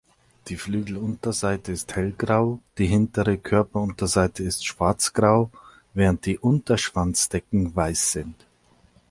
Die Flügelunterseite ist hellgrau, die hintere Körperunterseite ist schwarzgrau, während die Unterschwanzdecken weiß sind.